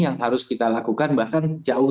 yang harus kita lakukan bahkan jauh